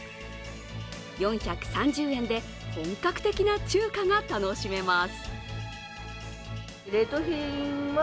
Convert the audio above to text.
４３０円で本格的な中華が楽しめます。